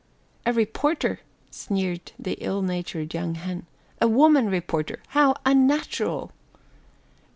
"A reporter," sneered the ill natured young hen. "A woman reporter! How unnatural!"